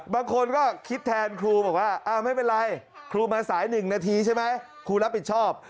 บางคนก็คิดแทนครูบอกว่าไม่เป็นไรครูมาสาย๑นาทีใช่ไหมครูรับผิดชอบ